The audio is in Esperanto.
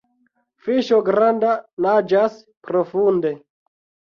Fiŝo granda naĝas profunde.